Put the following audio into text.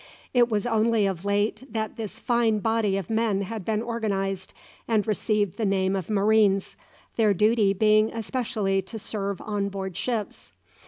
It was only of late that this fine body of men had been organised and received the name of marines, their duty being especially to serve on board ships.